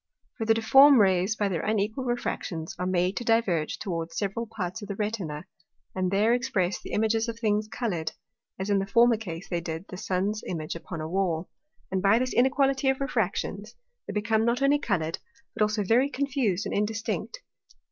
For the difform Rays, by their unequal Refractions, are made to diverge towards several parts of the Retina, and there express the Images of things coloured, as in the former case they did the Sun's Image upon a Wall. And by this inequality of Refractions, they become not only coloured, but also very confused and indistinct.